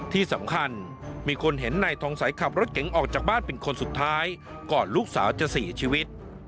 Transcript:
ที่สำคัญมีคนเห็นนายทองสัยขับรถเก๋งออกจากบ้านเป็นคนสุดท้ายก่อนลูกสาวจะเสียชีวิต